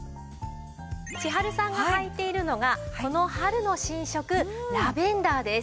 千春さんがはいているのがこの春の新色ラベンダーです。